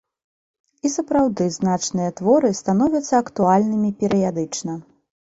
І сапраўды значныя творы становяцца актуальнымі перыядычна.